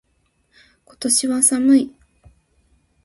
今年は寒い。